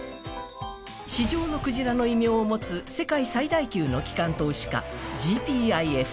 市場のクジラの異名を持つ世界最大級の機関投資家・ＧＰＩＦ。